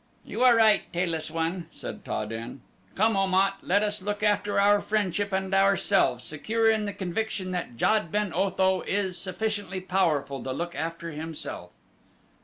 "You are right, Tailless One," said Ta den. "Come, Om at, let us look after our friendship and ourselves, secure in the conviction that Jad ben Otho is sufficiently powerful to look after himself."